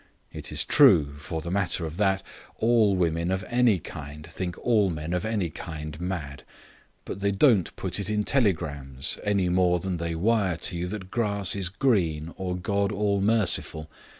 It is true, for the matter of that, all women of any kind think all men of any kind mad. But they don't put it in telegrams, any more than they wire to you that grass is green or God all merciful.